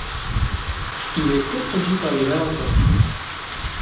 Il est coproduit par Les Valentins.